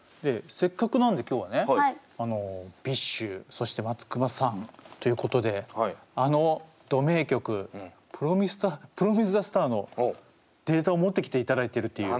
せっかくなんで今日はねＢｉＳＨそして松隈さんということであのド名曲「プロミスザスター」のデータを持ってきていただいてるっていう。